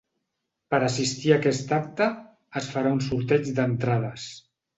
Per assistir a aquest acte, es farà un sorteig d’entrades.